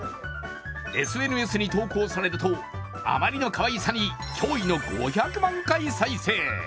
ＳＮＳに投稿されると、あまりのかわいさに驚異の５００万回再生。